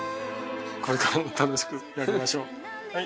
これからも楽しくやりましょうはい！